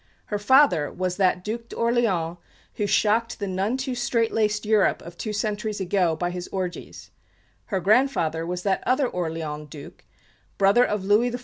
Her father was that Duc d'Orléans who shocked the none too strait laced Europe of two centuries ago by his orgies; her grandfather was that other Orleans Duke, brother of Louis XIV.